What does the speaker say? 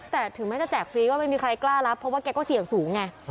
แต่ถึงแม้จะแจกฟรีก็ไม่มีใครกล้ารับเพราะว่าแกก็เสี่ยงสูงไง